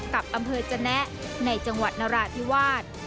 กับอำเภอจนะในจังหวัดนราธิวาส